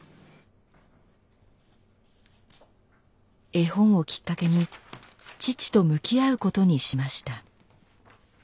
絵本をきっかけに父と向き合うことにしました。